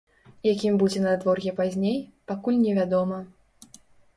Якім будзе надвор'е пазней, пакуль невядома.